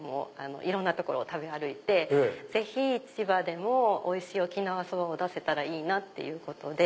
いろんな所を食べ歩いて千葉でもおいしい沖縄そばを出せたらいいなぁっていうことで。